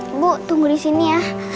ibu tunggu di sini ya